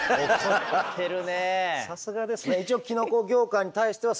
さすがですね。